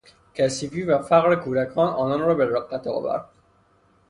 کثیفی و فقر کودکان، آنان را به رقت آورد.